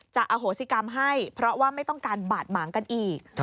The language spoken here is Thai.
อโหสิกรรมให้เพราะว่าไม่ต้องการบาดหมางกันอีก